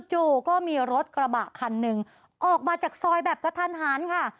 จู่ก็มีรถกระบะคันหนึ่งออกมาจากซอยแบบกระทันหันค่ะ